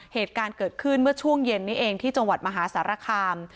เหตุการณ์เกิดขึ้นเมื่อช่วงเย็นนี้เองที่จังหวัดมหาสารคาม